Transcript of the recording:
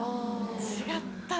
違ったら。